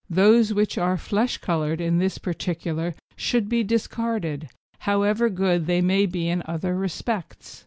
Those which are flesh coloured in this particular should be discarded, however good they may be in other respects.